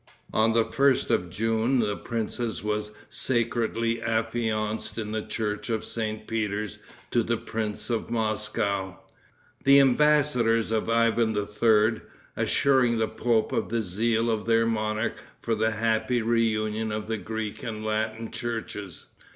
On the 1st of June the princess was sacredly affianced in the church of St. Peter's to the prince of Moscow, the embassadors of Ivan III. assuring the pope of the zeal of their monarch for the happy reunion of the Greek and Latin churches.